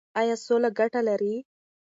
ایا سوله ګټه لري؟